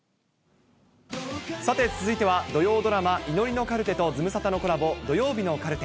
さて、続いては土曜ドラマ、祈りのカルテとズムサタのコラボ、土曜日のカルテ。